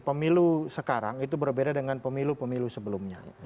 pemilu sekarang itu berbeda dengan pemilu pemilu sebelumnya